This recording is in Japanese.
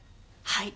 はい。